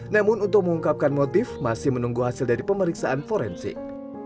namun untuk mengungkapkan motif masih menunggu hasil dari pemeriksaan forensik